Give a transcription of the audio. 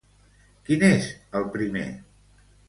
Quin és el primer?